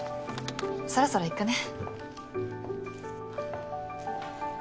そろそろ行くね。